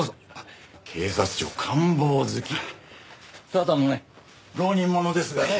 ただのね浪人者ですがね。